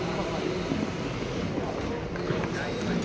พี่อัดมาสองวันไม่มีใครรู้หรอก